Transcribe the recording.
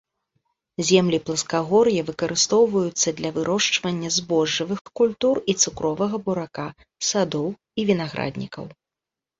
Землі пласкагор'я выкарыстоўваюцца для вырошчвання збожжавых культур і цукровага бурака, садоў і вінаграднікаў.